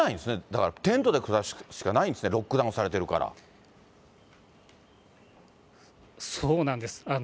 だからテントで暮らすしかないんですね、ロックダウンされているそうなんです。